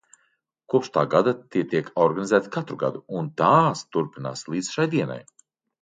Kopš tā gada tie tiek organizēti katru gadu un tās turpinās līdz šai dienai.